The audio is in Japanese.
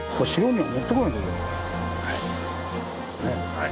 はい。